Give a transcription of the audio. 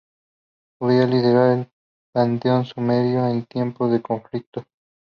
Podía liderar el panteón sumerio, en tiempos de conflicto.